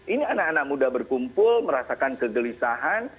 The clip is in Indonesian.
ini anak anak muda berkumpul merasakan kegelisahan